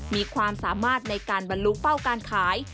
มีความสามารถในการบรรลุเป้าการขาย